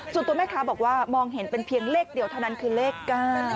จุดตัวแม่ว่าเลขเล็ก๑เดียวเท่านั้นคือเลข๙